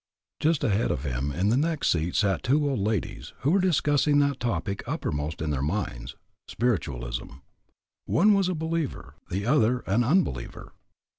Just ahead of him, in the next seat, sat two old ladies, who were discussing that topic uppermost in their minds spiritualism. One was a believer the other an unbeliever.